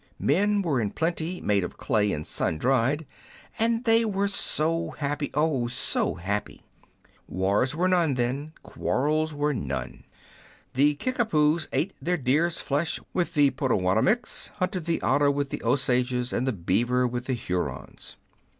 Men were in plenty, made of clay, and sun dried, and they were then so happy, oh, so happy ! Wars were none then, quarrels were none. The Kickapoos ate their deer's flesh with the Potowatomies, hunted the otter with the Osages, and the beaver with the Hurons.